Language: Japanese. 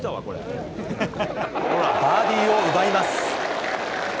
バーディーを奪います。